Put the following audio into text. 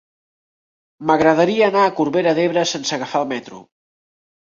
M'agradaria anar a Corbera d'Ebre sense agafar el metro.